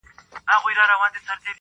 • له پسه چي پیدا کیږي تل پسه وي -